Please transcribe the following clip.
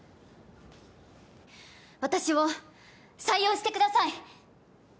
私を採用してください